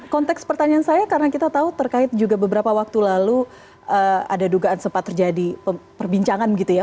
konteks pertanyaan saya karena kita tahu terkait juga beberapa waktu lalu ada dugaan sempat terjadi perbincangan gitu ya